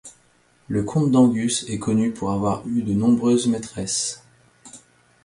Le comte d'Angus est connu pour avoir eu de nombreuses maîtresses.